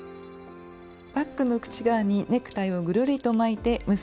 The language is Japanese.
バッグの口側にネクタイをぐるりと巻いて結んでいます。